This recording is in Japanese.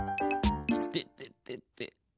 いてててて。